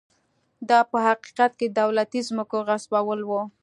دا په حقیقت کې د دولتي ځمکو غصبول و.